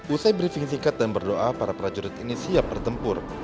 usai briefing sikat dan berdoa para prajurit ini siap bertempur